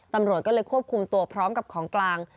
ตำรวจก็เลยควบคุมตัวพร้อมกับของกลาง